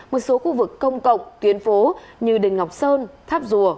một số khu vực công cộng tuyến phố như đền ngọc sơn tháp rùa